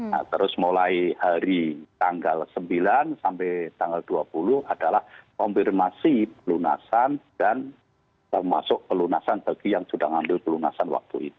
nah terus mulai hari tanggal sembilan sampai tanggal dua puluh adalah konfirmasi pelunasan dan termasuk pelunasan bagi yang sudah mengambil pelunasan waktu itu